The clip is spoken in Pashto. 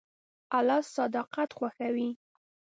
الله صداقت خوښوي.